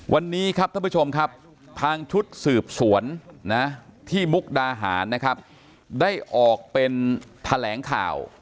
วันนี้ครับท่านผู้ชมครับทางชุดสืบสวนนะที่มุกดาหารนะครับได้ออกเป็นแถลงข่าว